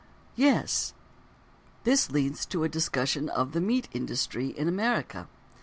("Yes.") This leads to a discussion of: "The Meat Industry in America."